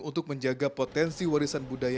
untuk menjaga potensi warisan budaya